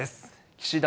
岸田